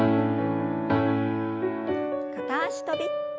片脚跳び。